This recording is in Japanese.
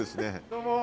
どうも！